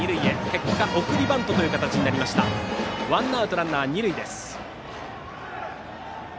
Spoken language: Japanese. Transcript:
結果、送りバントという形でワンアウトランナー、二塁です。